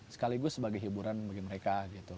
sekaligus sebagai hiburan bagi mereka gitu